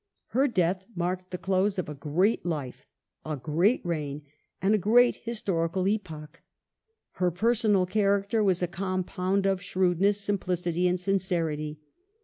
Her death marked the close of a great life, a great reign, and a great historical epoch. Her personal character was a compound of shrewdness, simplicity, and sincerity.